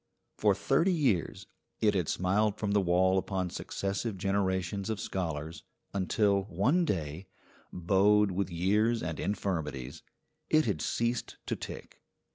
For thirty years it had smiled from the wall upon successive generations of scholars, until, one day, bowed with years and infirmities, it had ceased to tick.